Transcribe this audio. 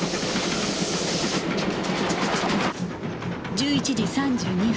１１時３２分